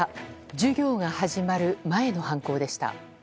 授業が始まる前の犯行でした。